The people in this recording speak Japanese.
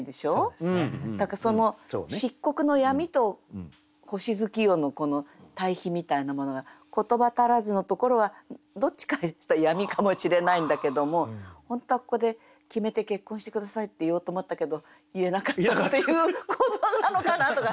だからその漆黒の闇と星月夜のこの対比みたいなものが「言葉足らず」のところはどっちかとしたら闇かもしれないんだけども本当はここで決めて「結婚して下さい」って言おうと思ったけど言えなかったっていうことなのかなとか。